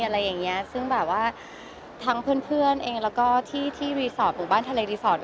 เที่ยวทางเพื่อนเองและบ้านทะเลทรีสอร์ส